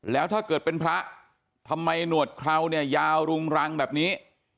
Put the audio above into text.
แล้วถ้าเกิดเป็นพระทำไมหนวดเคราวเนี่ยยาวรุงรังแบบนี้